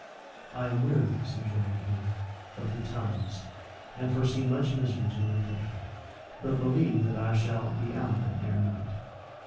"I am weary," subjoined he, "of the times, and foresee much misery to my country; but believe that I shall be out of it ere night."